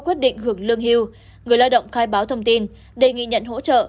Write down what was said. quyết định hưởng lương hưu người lao động khai báo thông tin đề nghị nhận hỗ trợ